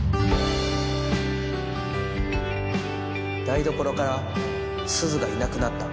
台所からすずがいなくなった。